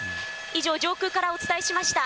以上、上空からお伝えしました。